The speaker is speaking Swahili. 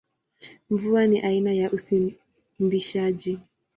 Mvua ni aina ya usimbishaji.